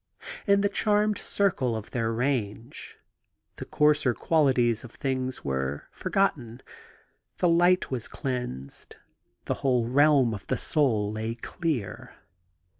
In the charmed circle of their range, the coarser qualities of things were forgotten, the light was cleansed, the whole realm of the soul lay clear.